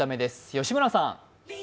吉村さん。